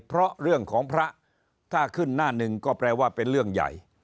เพราะเรื่องของพระถ้าขึ้นหน้าหนึ่งก็แปลว่าเป็นเรื่องใหญ่